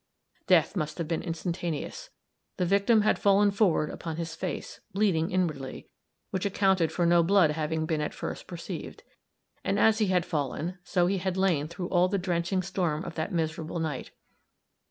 Death must have been instantaneous. The victim had fallen forward upon his face, bleeding inwardly, which accounted for no blood having been at first perceived; and as he had fallen, so he had lain through all the drenching storm of that miserable night.